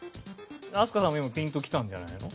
飛鳥さんも今ピンときたんじゃないの？